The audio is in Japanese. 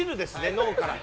脳から。